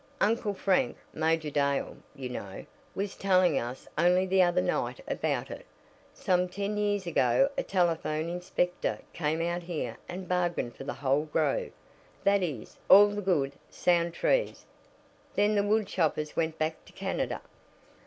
Uncle Frank Major Dale, you know was telling us only the other night about it. Some ten years ago a telephone inspector came out here and bargained for the whole grove that is, all the good, sound trees. Then the woodchoppers went back to Canada."